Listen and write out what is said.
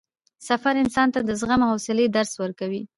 سفر انسان ته د زغم او حوصلې درس ورکوي